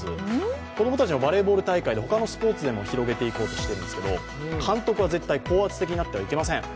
子供たちのバレーボール大会でほかのスポーツでも広げていこうとしているんですけど、監督は絶対高圧的になってはいけません。